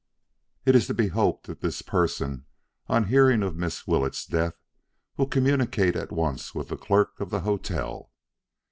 It is to be hoped that this person on hearing of Miss Willetts' death, will communicate at once with the clerk of the hotel.